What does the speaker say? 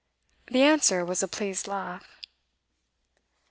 The answer was a pleased laugh.